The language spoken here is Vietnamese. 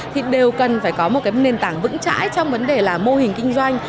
thì đều cần phải có một cái nền tảng vững chãi trong vấn đề là mô hình kinh doanh